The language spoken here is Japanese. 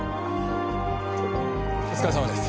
お疲れさまです。